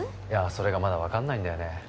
いやそれがまだ分かんないんだよね